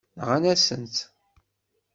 Nɣant-asent-tt.